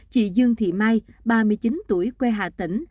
chị dương thị mai ba mươi chín tuổi quê hà tĩnh